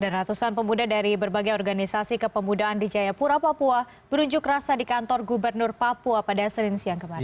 dan ratusan pemuda dari berbagai organisasi kepemudaan di jayapura papua berunjuk rasa di kantor gubernur papua pada sering siang kemarin